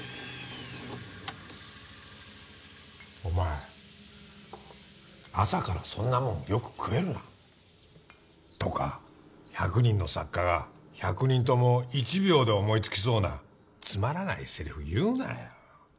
お前朝からそんなもんよく食えるな。とか１００人の作家が１００人とも１秒で思い付きそうなつまらないせりふ言うなよ。